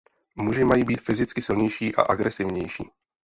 Muži mají být fyzicky silnější a agresivnější.